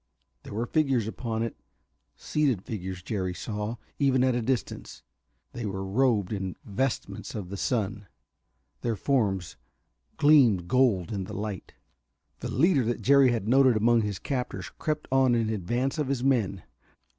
There were figures upon it, seated figures, Jerry saw, even at a distance, that were robed in vestments of the sun. Their forms gleamed gold in the light. The leader that Jerry had noted among his captors crept on in advance of his men.